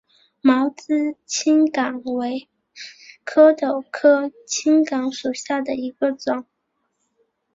毛枝青冈为壳斗科青冈属下的一个种。